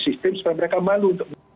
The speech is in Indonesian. sistem supaya mereka malu